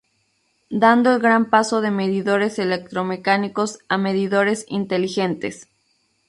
Dando el gran paso de medidores electromecánicos a medidores inteligentes.